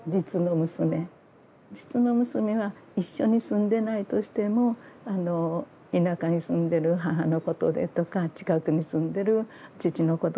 実の娘は一緒に住んでないとしても田舎に住んでる母のことでとか近くに住んでる父のことでとか言う。